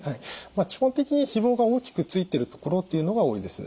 まあ基本的に脂肪が大きくついてるところっていうのが多いです。